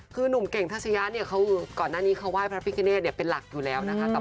คือหนุ่มเก่งทัชยะเนี่ยเขาก่อนหน้านี้เขาไห้พระพิคเนธเป็นหลักอยู่แล้วนะคะ